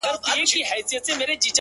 خو څو ستوري په گردو کي را ايسار دي!!